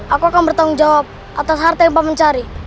aku akan bertanggung jawab atas harta yang paman cari